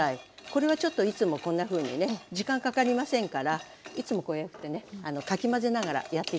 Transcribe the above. これはちょっといつもこんなふうにね時間かかりませんからいつもこうやってねかき混ぜながらやって頂くといいですね。